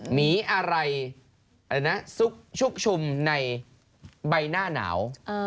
หมีอะไรนะซุกชุกชุมในใบหน้าหนาว